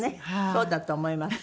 そうだと思います。